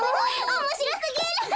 おもしろすぎる！